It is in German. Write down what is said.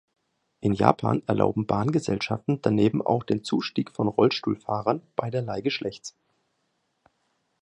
In Japan erlauben Bahngesellschaften daneben auch den Zustieg von Rollstuhlfahrern beiderlei Geschlechts.